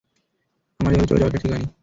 আমার এভাবে চলে যাওয়াটা ঠিক হয়নি।